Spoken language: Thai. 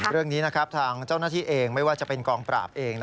เรื่องนี้นะครับทางเจ้าหน้าที่เองไม่ว่าจะเป็นกองปราบเอง